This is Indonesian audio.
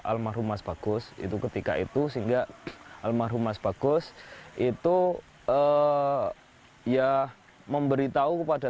almarhum mas bagus itu ketika itu sehingga almarhum mas bagus itu ya memberitahu kepada